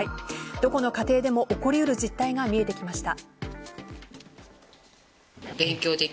どこの家庭でも起こりうる実態が見えてきました。